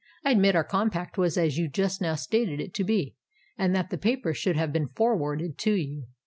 "I admit our compact was as you just now stated it to be, and that the paper should have been forwarded to you.